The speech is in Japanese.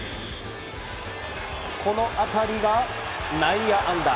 この当たりは内野安打。